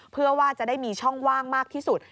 เพื่อว่าจะได้มีช่องว่างมากที่สุด